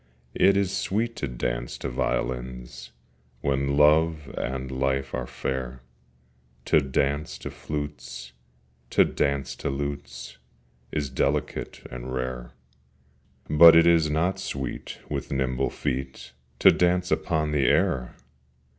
It is sweet to dance to violins When Love and Life are fair: To dance to flutes, to dance to lutes Is delicate and rare: But it is not sweet with nimble feet To dance upon the air!